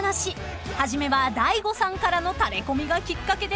［初めは大悟さんからのタレコミがきっかけでした］